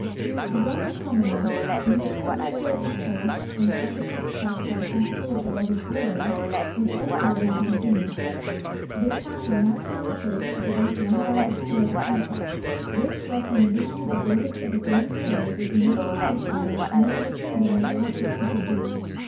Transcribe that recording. The Roman commonwealth, in which public spirit was cherished, and selfishness checked, by the principle of the love of glory, was also of long continuance. This passion naturally operates to produce an unbounded spirit of conquest, which, like the ambition of the greatest of its own heroes, was never satiated while any other kingdom was left it to subdue.